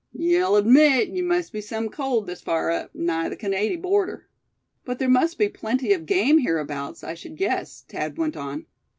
Ye'll admit they must be sum cold, this far up, nigh the Canady border." "But there must be plenty of game hereabouts, I should guess," Thad went on.